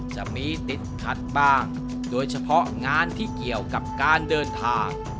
จะมีติดขัดบ้างโดยเฉพาะงานที่เกี่ยวกับการเดินทาง